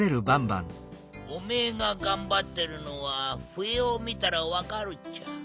おめえががんばってるのはふえをみたらわかるっちゃ。